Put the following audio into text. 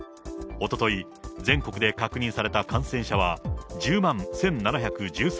おととい、全国で確認された感染者は１０万１７１３人。